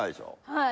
はい。